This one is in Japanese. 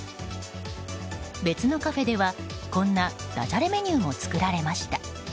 別のカフェではこんなダジャレメニューも作られました。